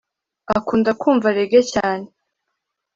akunda kumva reggae cyane